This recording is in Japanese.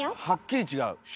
はっきり違う？